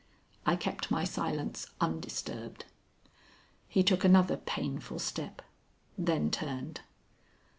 I kept my silence undisturbed. He took another painful step, then turned.